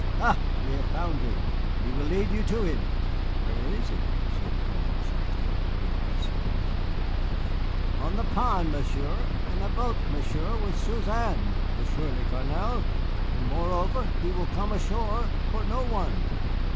Ha, we have found him, we will lead you to him." "Where is he?" said Colonel Chouteau, repressing another laugh. "On the pond, Monsieur, in a boat, Monsieur, with Suzanne, Monsieur le Colonel! And, moreover, he will come ashore for no one."